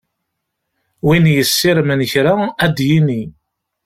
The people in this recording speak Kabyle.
Win yessirmen kra ad d-yini.